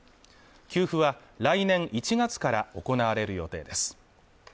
給付は来年１月から行われる予定です